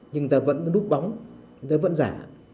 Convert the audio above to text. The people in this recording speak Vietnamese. nhưng ta vẫn đút bóng vẫn giả